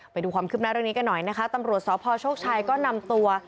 ไปดูความคืบหน้าเรื่องนี้กันหน่อยนะคะตำรวจสพโชคชัยก็นำตัว